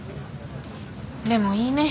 でもいいね。